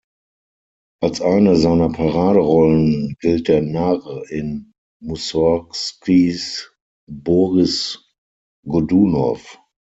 Als eine seiner Paraderollen gilt der Narr in Mussorgskis "Boris Godunow".